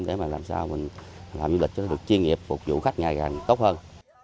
để mà làm sao mình làm du lịch cho nó được chuyên nghiệp phục vụ khách ngày càng tốt hơn